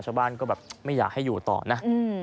ชาวบ้านก็แบบไม่อยากให้อยู่ต่อนะ